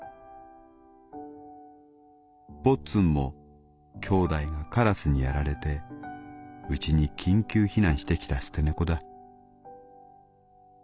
「ぼっつんも兄弟がカラスにやられてうちに緊急避難してきた捨て猫だ」。